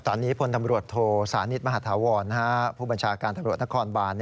ตอนนี้ผลธรรมรวชโธสานิตมหาธาวรผู้บัญชาการธรรมรวชนครบาน